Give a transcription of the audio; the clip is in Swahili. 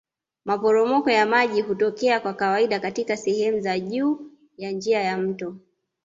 Maporomoko ya maji hutokea kwa kawaida katika sehemu za juu ya njia ya mto